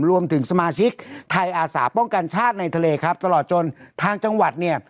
รวมถึงสมาชิกไทยอาสาป้องกันชาติในทะเลครับตลอดจนทางจังหวัดเนี่ย